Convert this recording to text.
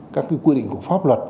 các quy định của pháp luật